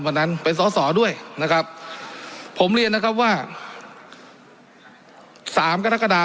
วันนั้นเป็นสอสอด้วยนะครับผมเรียนนะครับว่าสามกรกฎา